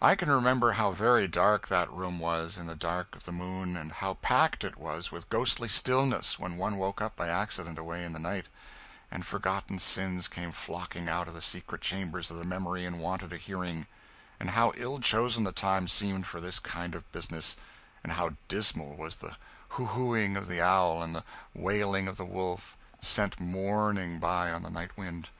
I can remember how very dark that room was, in the dark of the moon, and how packed it was with ghostly stillness when one woke up by accident away in the night, and forgotten sins came flocking out of the secret chambers of the memory and wanted a hearing; and how ill chosen the time seemed for this kind of business; and how dismal was the hoo hooing of the owl and the wailing of the wolf, sent mourning by on the night wind.